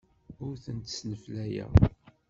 Ur tent-sneflayeɣ.